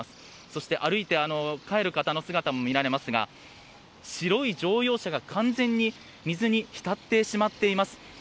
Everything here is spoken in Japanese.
そして歩いて帰る方の姿も見られますが白い乗用車が完全に水に浸ってしまっています。